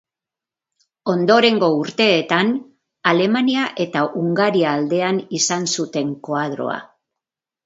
Ondorengo urteetan Alemania eta Hungaria aldean izan zuten koadroa.